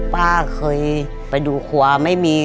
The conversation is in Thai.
ป้าเคยไปดูครัวไม่มี